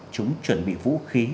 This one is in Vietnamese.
chúng chuẩn bị vũ khí